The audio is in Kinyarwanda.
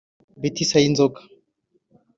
Betty Sayinzoga